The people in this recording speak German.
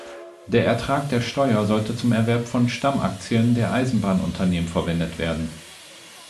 Der Ertrag der Steuer sollte zum Erwerb von Stammaktien der Eisenbahnunternehmen verwendet werden.